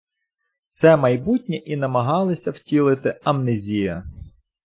Це майбутнє і намагалися втілити «АмнезіЯ».